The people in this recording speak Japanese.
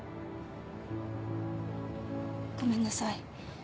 ごめんなさい。